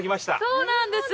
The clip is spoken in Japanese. そうなんです。